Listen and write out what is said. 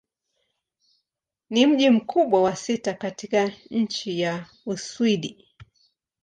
Ni mji mkubwa wa sita katika nchi wa Uswidi.